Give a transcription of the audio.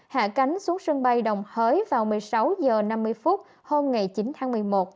hạ cánh xuống sân bay đồng hới vào một mươi sáu h năm mươi hôm ngày chín tháng một mươi một